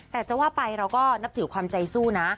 แต่จะว่าไปเราก็นับถือความใจสู้นะ